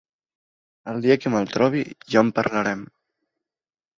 El dia que me’l trobi ja en parlarem.